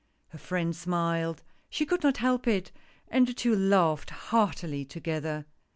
Her friend smiled, she could not help it, and the two laughed heartily together.